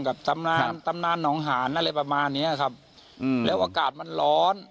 ตำนานตำนานหนองหานอะไรประมาณเนี้ยครับอืมแล้วอากาศมันร้อน